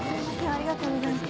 ありがとうございます。